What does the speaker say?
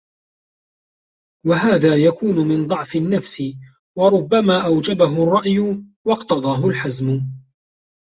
وَهَذَا يَكُونُ مِنْ ضَعْفِ النَّفْسِ وَرُبَّمَا أَوْجَبَهُ الرَّأْيُ وَاقْتَضَاهُ الْحَزْمُ